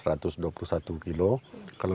kalau dari buku kota